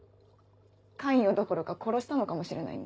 関与どころか殺したのかもしれないんだ。